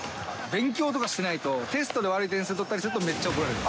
勉強とかしてないと、テストで悪い点数取ったりするとめっちゃ怒られる。